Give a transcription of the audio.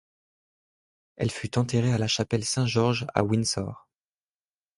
Elle fut enterrée à la chapelle Saint-Georges à Windsor.